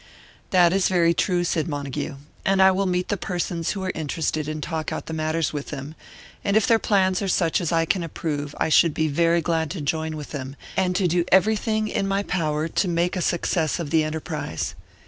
"That is very true," said Montague, "and I will meet the persons who are interested and talk out matters with them; and if their plans are such as I can approve, I should be very glad to join with them, and to do everything in my power to make a success of the enterprise.